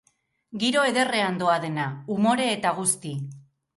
Giro ederrean doa dena, umore eta guzti.